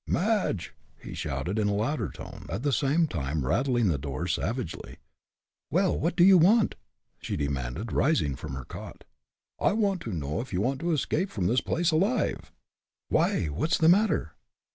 "Madge!" he shouted, in a louder tone, at the same time rattling the door, savagely. "Well, what do you want?" she demanded, rising from her cot. "I want to know if you want to escape from this place alive?" "Why, what is the matter?"